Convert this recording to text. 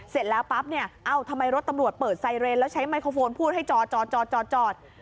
เสร็จแล้วปั๊บเนี่ยเอ้าทำไมรถตำรวจเปิดไซเรนแล้วใช้ไมโครโฟนพูดให้จอจอด